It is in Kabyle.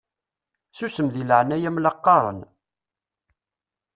Susem deg leɛnaya-m la qqaṛen!